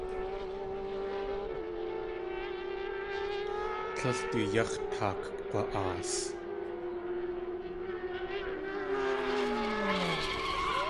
Tlél du yáx̲ taakg̲wa.aas.